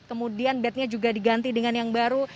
kemudian bednya juga diganti dengan yang baru